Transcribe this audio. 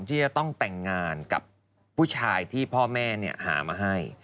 ที่จะต้องแต่งงานกับผู้ชายที่พ่อแม่หามาให้